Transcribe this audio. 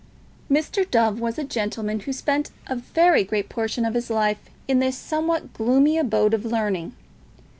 Mr. Dove was a gentleman who spent a very great portion of his life in this somewhat gloomy abode of learning.